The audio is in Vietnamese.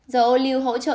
dầu ô lưu hỗ trợ